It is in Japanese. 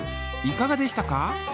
いかがでしたか？